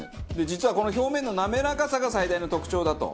実はこの表面の滑らかさが最大の特徴だと。